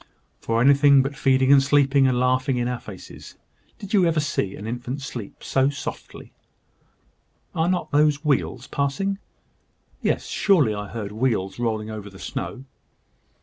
"For anything but feeding and sleeping, and laughing in our faces. Did you ever see an infant sleep so softly? Are not those wheels passing? Yes; surely I heard wheels rolling over the snow."